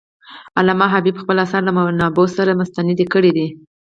علامه حبيبي خپل آثار له منابعو سره مستند کړي دي.